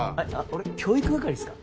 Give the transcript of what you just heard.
俺教育係っすか？